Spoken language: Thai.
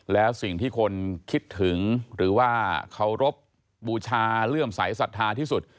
แล้วสิ่งที่คนคิดถึงหรือว่าเคารพบูชาเลื่อมใสสัทธาที่สุด